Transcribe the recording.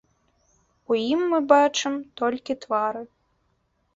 У ім мы бачым толькі твары.